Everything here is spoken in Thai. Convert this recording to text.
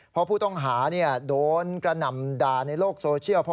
เพราะผู้ต้องหาโดนกระหน่ำด่าในโลกโซเชียล